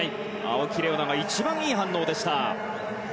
青木玲緒樹が一番いい反応でした。